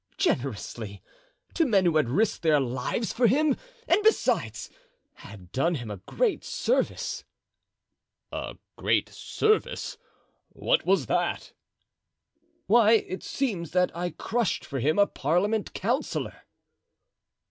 "Generously! to men who had risked their lives for him, and besides had done him a great service?" "A great service—what was that?" "Why, it seems that I crushed for him a parliament councillor."